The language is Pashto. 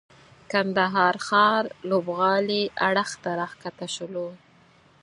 کندهار ښار لوبغالي اړخ ته راکښته سولو.